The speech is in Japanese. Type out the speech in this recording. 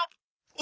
お！